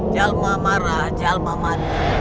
jalma marah jalma mati